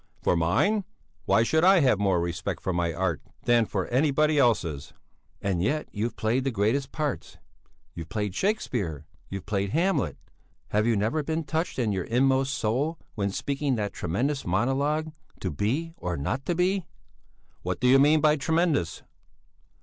"For mine? Why should I have more respect for my art than for anybody else's?" "And yet you've played the greatest parts! You've played Shakespeare! You've played Hamlet! Have you never been touched in your inmost soul when speaking that tremendous monologue: To be or not to be...." "What do you mean by tremendous?"